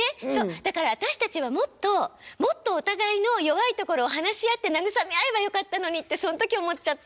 だから私たちはもっともっとお互いの弱いところを話し合って慰め合えばよかったのにってその時思っちゃった。